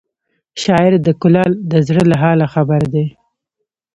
شاعر د کلال د زړه له حاله خبر دی